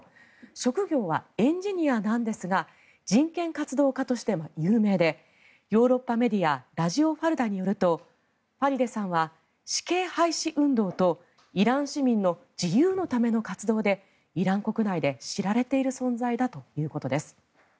職業はエンジニアなんですが人権活動家として有名でヨーロッパメディアラジオ・ファルダによるとファリデさんは死刑廃止運動とイラン市民の自由のための活動でイラン国内で知られている存在だということです。